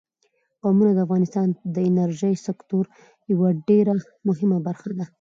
قومونه د افغانستان د انرژۍ سکتور یوه ډېره مهمه برخه ده.